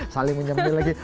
saling menyemil lagi